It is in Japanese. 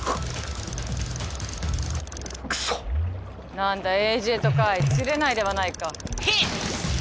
何だエージェント・カイ釣れないではないか。